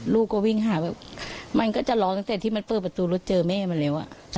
ลูกก็วิ่งหาแบบมันก็จะร้องตั้งแต่ที่มันเปิดประตูรถเจอแม่มาแล้ว